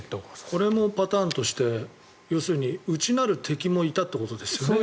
これもパターンとして要するに、内なる敵もいたということですよね。